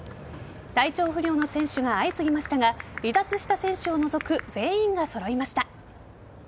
体調不良の選手が相次ぎましたが離脱した選手を除く全員が揃いました。